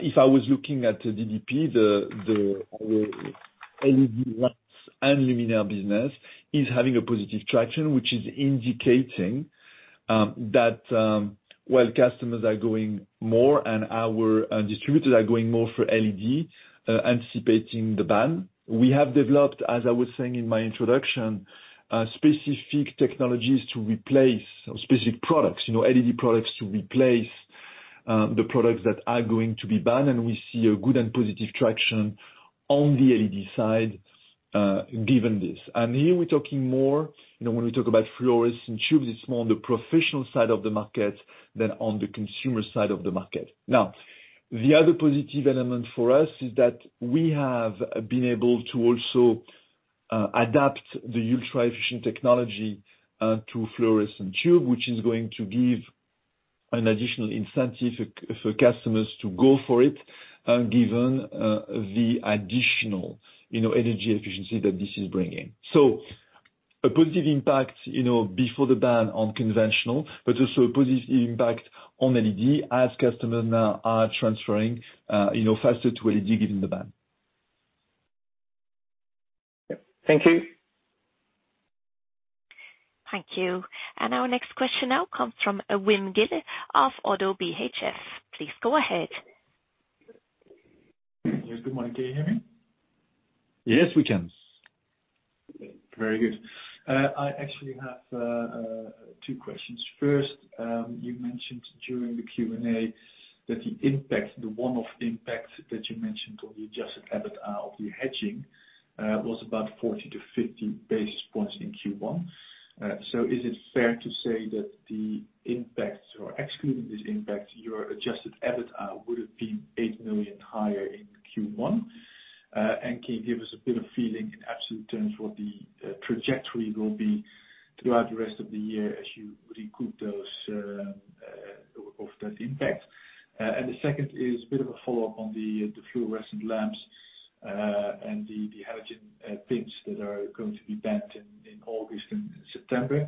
[SPEAKER 3] If I was looking at DDP, the LED lamps and luminaire business is having a positive traction, which is indicating that while customers are going more and our distributors are going more for LED, anticipating the ban. We have developed, as I was saying in my introduction, specific technologies to replace specific products, you know, LED products to replace the products that are going to be banned. We see a good and positive traction on the LED side, given this. Here we're talking more, you know, when we talk about fluorescent tubes, it's more on the professional side of the market than on the consumer side of the market. The other positive element for us is that we have been able to also adapt the Ultra Efficient technology to fluorescent tube, which is going to give an additional incentive for customers to go for it, given the additional, you know, energy efficiency that this is bringing. A positive impact, you know, before the ban on conventional, but also a positive impact on LED as customers now are transferring, you know, faster to LED given the ban.
[SPEAKER 10] Thank you.
[SPEAKER 1] Thank you. Our next question now comes from Wim Gille of ODDO BHF. Please go ahead.
[SPEAKER 11] Yes. Good morning. Can you hear me?
[SPEAKER 3] Yes, we can.
[SPEAKER 11] Very good. I actually have two questions. First, you mentioned during the Q&A that the impact, the one-off impact that you mentioned on the adjusted EBITDA of the hedging, was about 40-50 basis points in Q1. Is it fair to say that the impacts or excluding this impact, your adjusted EBITDA would have been 8 million higher in Q1? Can you give us a bit of feeling in absolute terms what the trajectory will be throughout the rest of the year as you recoup those of that impact? The second is a bit of a follow-up on the fluorescent lamps and the halogen pins that are going to be banned in August and September.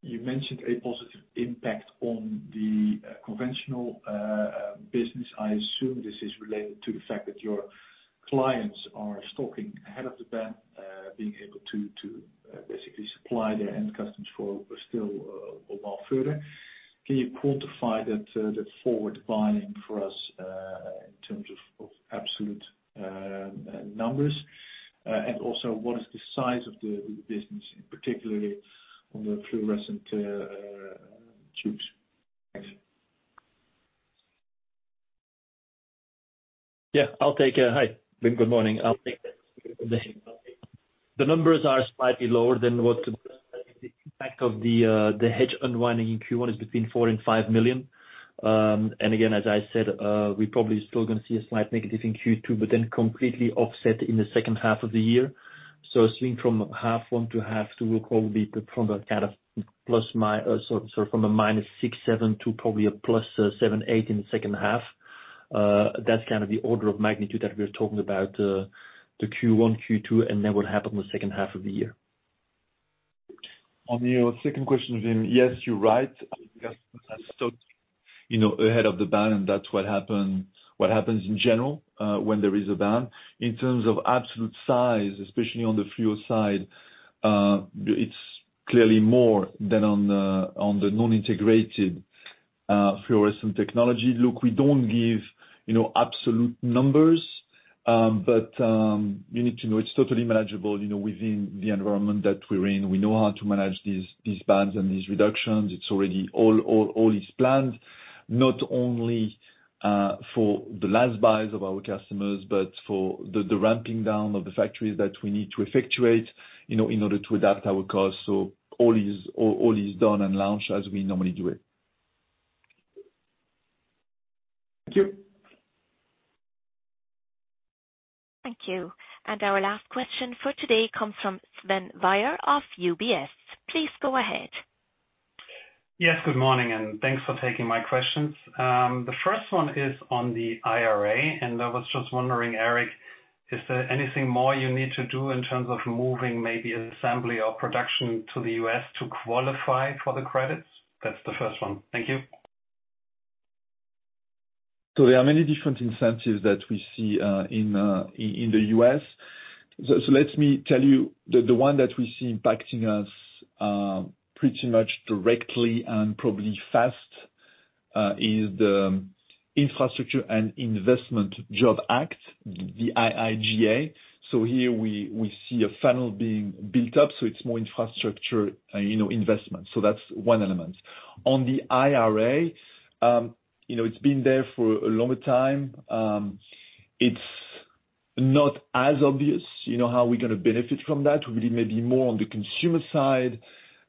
[SPEAKER 11] You mentioned a positive impact on the Conventional business. I assume this is related to the fact that your clients are stocking ahead of the ban, being able to basically supply their end customers for still, or more further. Can you quantify that forward buying for us, in terms of absolute numbers? Also, what is the size of the business, particularly on the fluorescent tubes? Thanks.
[SPEAKER 4] Yeah, I'll take it. Hi. Good morning. I'll take that. The numbers are slightly lower than what the impact of the hedge unwinding in Q1 is between 4 million and 5 million. Again, as I said, we probably still gonna see a slight negative in Q2, but then completely offset in the second half of the year. A swing from half one to half two will probably be from a kind of from a minus 6 million-7 million to probably a plus 7 million-8 million in the second half. That's kind of the order of magnitude that we're talking about to Q1, Q2, what happened the second half of the year.
[SPEAKER 3] On your second question, Wim. Yes, you're right. You know, ahead of the ban, and that's what happens in general, when there is a ban. In terms of absolute size, especially on the fuel side, it's clearly more than on the non-integrated, fluorescent technology. Look, we don't give, you know, absolute numbers, but you need to know it's totally manageable, you know, within the environment that we're in. We know how to manage these bans and these reductions. It's already all is planned, not only for the last buys of our customers, but for the ramping down of the factories that we need to effectuate, you know, in order to adapt our costs. All is done and launched as we normally do it.
[SPEAKER 11] Thank you.
[SPEAKER 1] Thank you. Our last question for today comes from Sven Weier of UBS. Please go ahead.
[SPEAKER 12] Yes, good morning, and thanks for taking my questions. The first one is on the IRA. I was just wondering, Eric, is there anything more you need to do in terms of moving maybe assembly or production to the U.S. to qualify for the credits? That's the first one. Thank you.
[SPEAKER 3] There are many different incentives that we see in the U.S. Let me tell you the one that we see impacting us pretty much directly and probably fast is the Infrastructure Investment and Jobs Act, the IIJA. Here we see a funnel being built up, so it's more infrastructure, you know, investment. That's one element. On the IRA, you know, it's been there for a longer time. It's not as obvious, you know, how we're gonna benefit from that, really maybe more on the consumer side,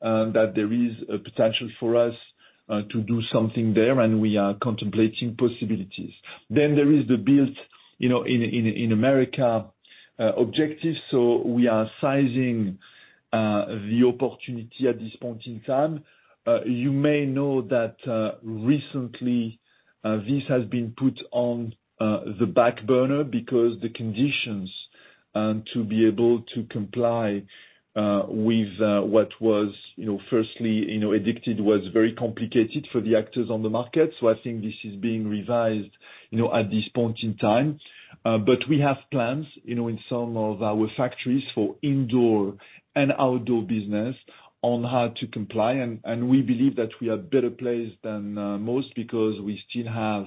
[SPEAKER 3] that there is a potential for us to do something there, and we are contemplating possibilities. There is the build, you know, in America objectives. We are sizing the opportunity at this point in time. You may know that recently this has been put on the back burner because the conditions to be able to comply with what was, you know, firstly, you know, addicted was very complicated for the actors on the market. I think this is being revised, you know, at this point in time. We have plans, you know, in some of our factories for indoor and outdoor business on how to comply and we believe that we are better placed than most because we still have,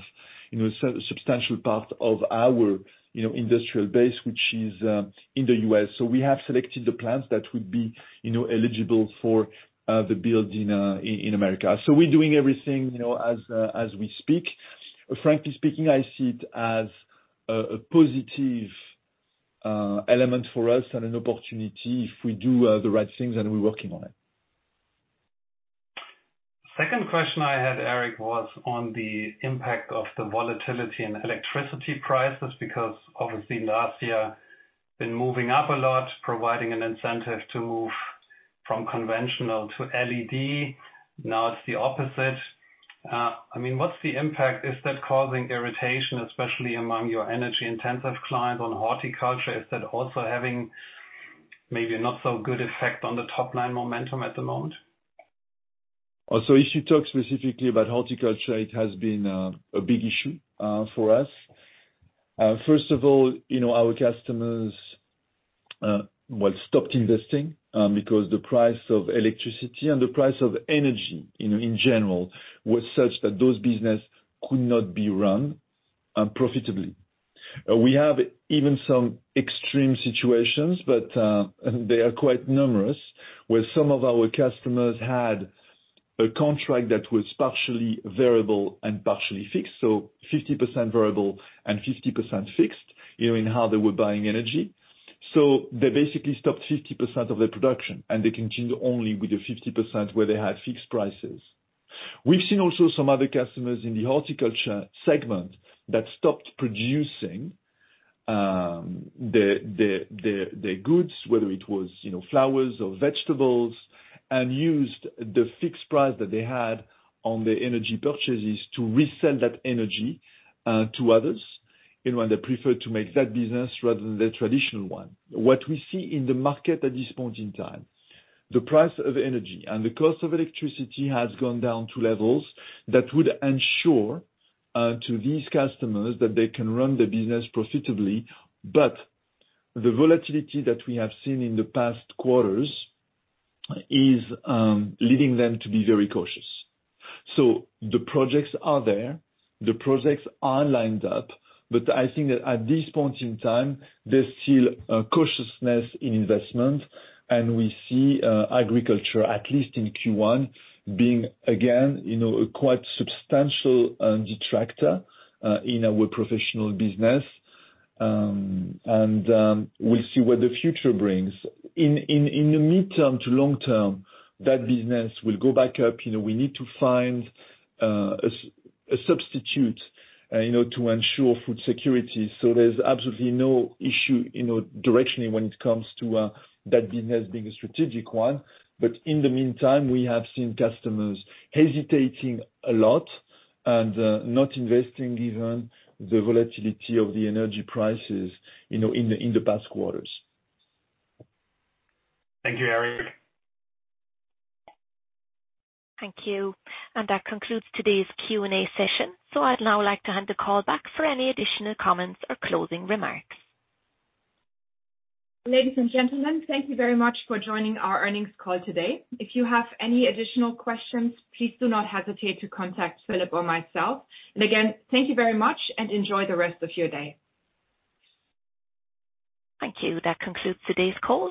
[SPEAKER 3] you know, substantial part of our, you know, industrial base, which is in the U.S. We have selected the plants that would be, you know, eligible for the Build in America. We're doing everything, you know, as as we speak. Frankly speaking, I see it as a positive element for us and an opportunity if we do the right things and we're working on it.
[SPEAKER 12] Second question I had, Eric, was on the impact of the volatility in electricity prices, because obviously last year been moving up a lot, providing an incentive to move from conventional to LED. Now it's the opposite. I mean, what's the impact? Is that causing irritation, especially among your energy intensive client on horticulture? Is that also having maybe not so good effect on the top line momentum at the moment?
[SPEAKER 3] If you talk specifically about horticulture, it has been a big issue for us. First of all, you know, our customers, well, stopped investing because the price of electricity and the price of energy in general was such that those business could not be run profitably. We have even some extreme situations, but they are quite numerous, where some of our customers had a contract that was partially variable and partially fixed, so 50% variable and 50% fixed, you know, in how they were buying energy. They basically stopped 50% of their production, and they continued only with the 50% where they had fixed prices. We've seen also some other customers in the horticulture segment that stopped producing the goods, whether it was, you know, flowers or vegetables, and used the fixed price that they had on the energy purchases to resell that energy to others. You know, they preferred to make that business rather than the traditional one. What we see in the market at this point in time, the price of energy and the cost of electricity has gone down to levels that would ensure to these customers that they can run their business profitably. The volatility that we have seen in the past quarters is leading them to be very cautious. The projects are there, the projects are lined up, I think that at this point in time, there's still a cautiousness in investment. We see agriculture, at least in Q1, being again, you know, a quite substantial detractor in our professional business. We'll see what the future brings. In the midterm to long term, that business will go back up. You know, we need to find a substitute, you know, to ensure food security. There's absolutely no issue, you know, directionally when it comes to that business being a strategic one. In the meantime, we have seen customers hesitating a lot and not investing given the volatility of the energy prices, you know, in the past quarters.
[SPEAKER 12] Thank you, Eric.
[SPEAKER 1] Thank you. That concludes today's Q&A session. I'd now like to hand the call back for any additional comments or closing remarks.
[SPEAKER 2] Ladies and gentlemen, thank you very much for joining our earnings call today. If you have any additional questions, please do not hesitate to contact Philip or myself. Again, thank you very much and enjoy the rest of your day.
[SPEAKER 1] Thank you. That concludes today's call.